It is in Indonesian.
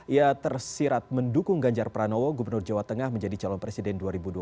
ia tersirat mendukung ganjar pranowo gubernur jawa tengah menjadi calon presiden dua ribu dua puluh